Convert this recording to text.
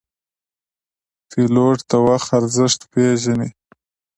پیلوټ د وخت ارزښت پېژني.